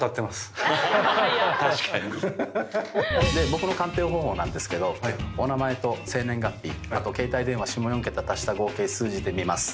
僕の鑑定方法なんですけどお名前と生年月日あと携帯電話下４桁足した合計数字で見ます。